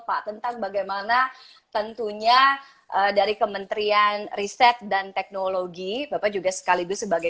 pak tentang bagaimana tentunya dari kementerian riset dan teknologi bapak juga sekaligus sebagai